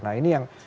nah ini yang